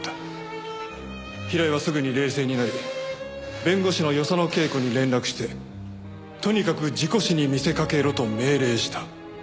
平井はすぐに冷静になり弁護士の与謝野慶子に連絡してとにかく事故死に見せかけろと命令した。